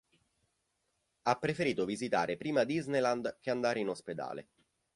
Ha preferito visitare prima Disneyland che andare in ospedale.